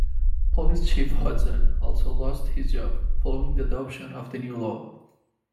Police Chief Hudson also lost his job, following the adoption of the new law.